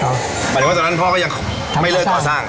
หมายถึงว่าตอนนั้นพ่อก็ยังไม่เลิกก่อสร้าง